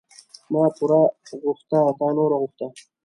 ما پور غوښته تا نور غوښته.